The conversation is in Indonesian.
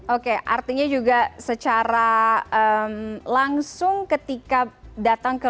oke artinya juga secara langsung ketika datang ke